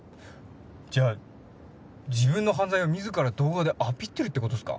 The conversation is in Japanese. じゃあ自分の犯罪を自ら動画でアピってるって事っすか？